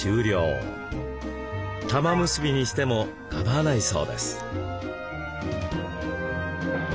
玉結びにしても構わないそうです。